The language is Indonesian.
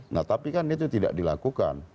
nah tapi kan itu tidak dilakukan